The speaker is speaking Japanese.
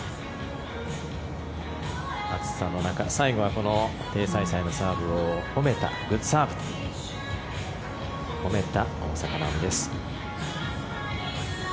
暑さの中、最後はこのテイ・サイサイのサーブをグッドサーブと褒めた大坂なおみです。